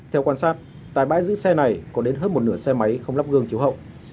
theo quan sát tại bãi giữ xe này có đến hơn một nửa xe máy không lắp gương chiếu hậu